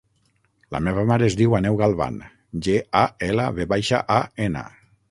La meva mare es diu Aneu Galvan: ge, a, ela, ve baixa, a, ena.